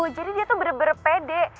jadi dia tuh bener bener pede